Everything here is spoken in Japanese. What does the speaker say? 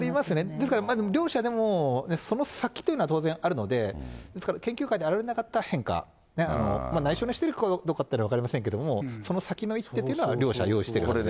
ですから両者、その先というのは当然あるので、ですから研究会で表れなかった変化、内緒にしてるかどうかというのは分かりませんけども、その先の一手というのは両者用意してます。